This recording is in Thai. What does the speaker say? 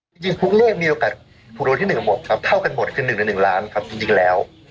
คุณจริงทุกเลขมีโอกาสถูกโดยที่๑กับ๑ค่ะเท่ากันหมดคือ๑ใน๑ล้านค่ะจริงแล้ว